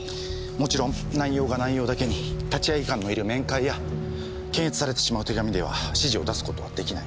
もちろん内容が内容だけに立会官のいる面会や検閲されてしまう手紙では指示を出すことはできない。